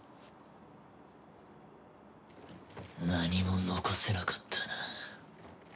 何も残せなかったな。